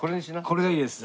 これがいいです。